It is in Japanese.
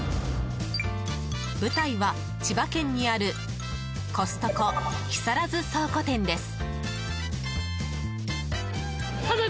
舞台は、千葉県にあるコストコ木更津倉庫店です。